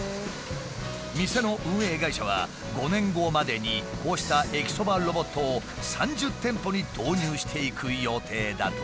店の運営会社は５年後までにこうした駅そばロボットを３０店舗に導入していく予定だという。